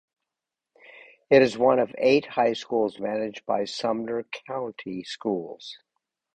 It is one of eight high schools managed by Sumner County Schools.